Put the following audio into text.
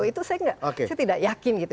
itu saya enggak saya tidak yakin gitu